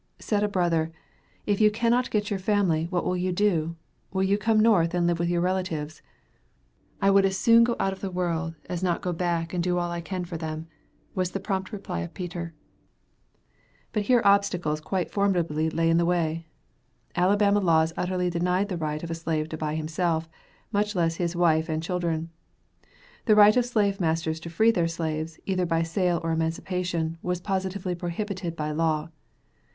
Said a brother, "If you cannot get your family, what will you do? Will you come North and live with your relatives?" "I would as soon go out of the world, as not to go back and do all I can for them," was the prompt reply of Peter. The problem of buying them was seriously considered, but here obstacles quite formidable lay in the way. Alabama laws utterly denied the right of a slave to buy himself, much less his wife and children. The right of slave masters to free their slaves, either by sale or emancipation, was positively prohibited by law.